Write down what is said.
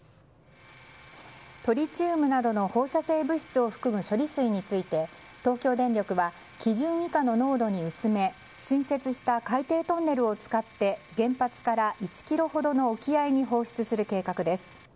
トリチウムなどの放射性物質を含む処理水について東京電力は基準以下の濃度に薄め新設した海底トンネルを使って原発から１ｋｍほどの沖合に放出する計画です。